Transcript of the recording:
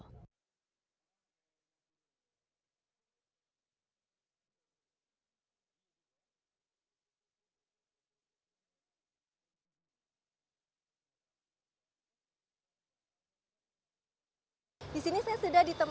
badan pengelola transportasi jabodetabek bptj meluncurkan inovasi angkutan bandara ja connection